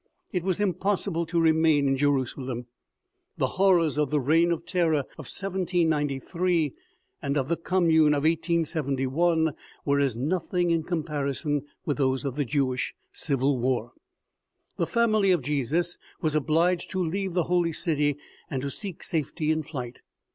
It was impossible to remain in Jerusalem. The horrors of the reign of terror of 1793, and of the Com mune of 1871, were as nothing in comparison with those of the Jewish civil war. The family of Jesus was obliged to leave the holy city and to seek safety in flight.